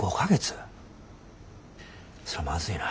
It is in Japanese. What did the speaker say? それはまずいな。